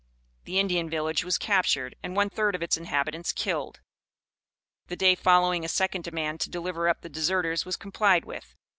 The Indian village was captured and one third of its inhabitants killed. The day following a second demand to deliver up the deserters was complied with.